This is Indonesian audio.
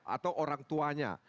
atau orang tuanya